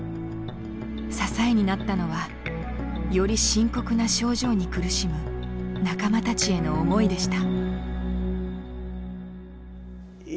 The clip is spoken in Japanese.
支えになったのはより深刻な症状に苦しむ仲間たちへの思いでした。